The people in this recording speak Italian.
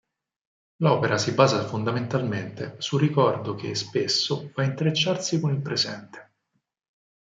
L'opera si basa fondamentalmente sul ricordo che, spesso, va ad intrecciarsi con il presente.